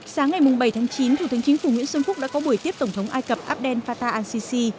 sáng ngày bảy chín thủ tướng chính phủ nguyễn xuân phúc đã có buổi tiếp tổng thống ai cập abdel fattah al sisi